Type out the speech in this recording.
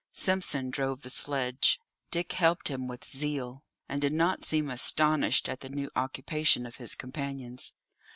Simpson drove the sledge. Dick helped him with zeal, and did not seem astonished at the new occupation of his companions.